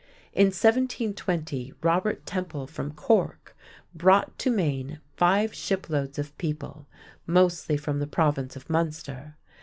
In 1720, Robert Temple from Cork brought to Maine five shiploads of people, mostly from the province of Munster.